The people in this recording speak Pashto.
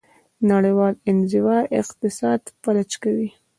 نړیوال انزوا اقتصاد فلج کوي.